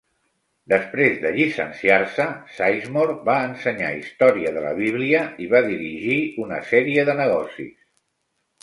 Després de llicenciar-se, Sizemore va ensenyar història de la Bíblia i va dirigir una sèrie de negocis.